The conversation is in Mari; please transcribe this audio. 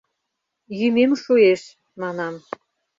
— Йӱмем шуэш, манам...